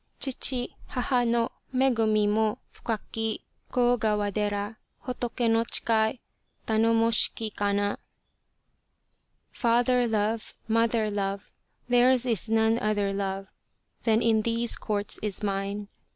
Chichi haha no Megumi mo fukaki Kogawa dera Hotoke no chikai Tanomosbiki Kana. Father love, mother love, Theirs is none other love Than in these Courts is mine.